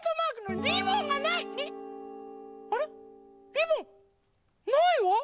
リボン？ないわ！